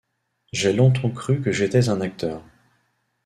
J’ai longtemps cru que j’étais un acteur.